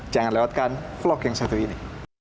jangan lewatkan vlog yang satu ini